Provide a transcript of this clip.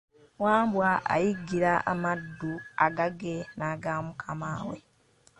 Wambwa ayiggira amaddu agage n'agamukamaawe.